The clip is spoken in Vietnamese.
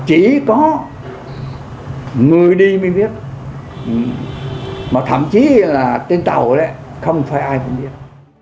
chỉ có người đi mới biết mà thậm chí là trên tàu đấy không phải ai cũng biết